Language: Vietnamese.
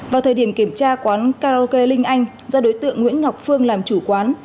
vào thời điểm kiểm tra quán karaoke linh anh do đối tượng nguyễn ngọc phương làm chủ quán